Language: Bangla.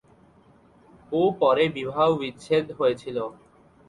ও পরে বিবাহবিচ্ছেদ হয়েছিল।